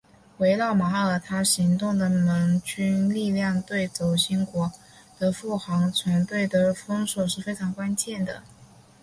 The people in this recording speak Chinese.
围绕马耳他行动的盟军力量对轴心国的护航船队的封锁是非常关键的。